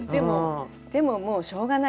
でももうしょうがない